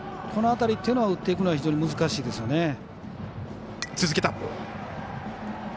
この辺りというのは打っていくのは非常に難しいですよね。